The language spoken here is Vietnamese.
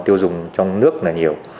tiêu dùng trong nước là nhiều